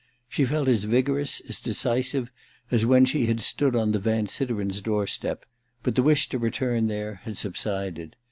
She felt as vigorous, as decisive, as when she had stood on the Van Siderens' door step — but the wish to return there had subsided.